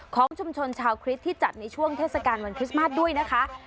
ของชุมชนชาวคริสต์ที่จัดในช่วงเทศกาลวันคริสต์มาสด้วยนะคะ